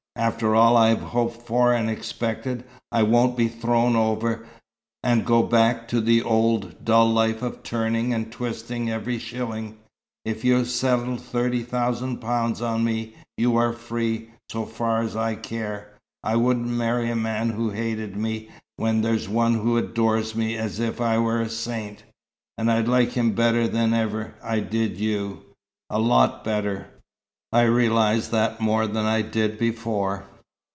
After all I've hoped for and expected, I won't be thrown over, and go back to the old, dull life of turning and twisting every shilling. If you'll settle thirty thousand pounds on me, you are free, so far as I care. I wouldn't marry a man who hated me, when there's one who adores me as if I were a saint and I like him better than ever I did you a lot better. I realize that more than I did before."